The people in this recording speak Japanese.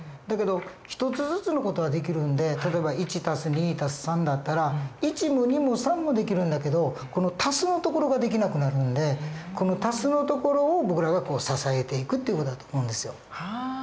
だけど一つずつの事はできるんで例えば１＋２＋３だったら１も２も３もできるんだけどこの＋のところができなくなるんでこの＋のところを僕らが支えていくっていう事だと思うんですよ。